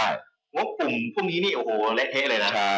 งบกลุ่มพรุ่งนี้และเทะเลยนะ